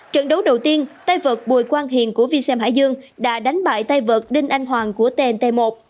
trận đấu đầu tiên tay vợt bùi quang hiền của vxm hải dương đã đánh bại tay vợt đinh anh hoàng của tnt một